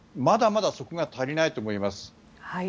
まだまだそこが足りないと思います。